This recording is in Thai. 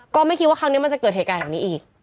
ก็ไม่คิดว่าครั้งนี้มันจะเกิดเหตุการณ์แบบนี้อีก